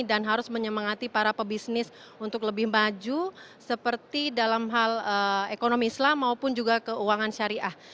dan harus menyemangati para pebisnis untuk lebih maju seperti dalam hal ekonomi islam maupun juga keuangan syariah